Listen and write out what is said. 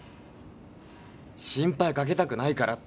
心配かけたくないからって。